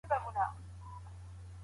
اسلامي نظام غوره نظام دی.